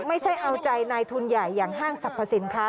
ไม่ใช่เอาใจนายทุนใหญ่อย่างห้างสรรพสินค้า